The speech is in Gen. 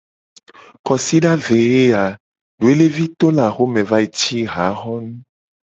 Kosida ve ye ya doelevi to le axome va yi ci haxonu.